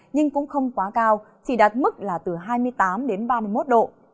nhưng cũng không quá cao chỉ đạt mức là từ hai mươi tám đến ba mươi một độ